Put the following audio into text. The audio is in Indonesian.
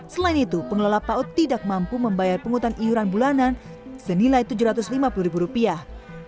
selain itu pengelola paut tidak mampu membayar penghutan iuran bulanan senilai tujuh ratus lima puluh ribu rupiah